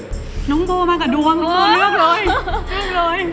น้องโบมากับดวงน้องโบเลือกเลย